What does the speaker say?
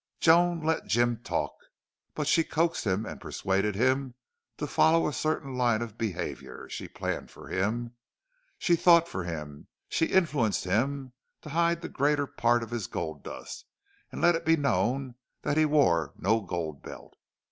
Joan let Jim talk, but she coaxed him and persuaded him to follow a certain line of behavior, she planned for him, she thought for him, she influenced him to hide the greater part of his gold dust, and let it be known that he wore no gold belt.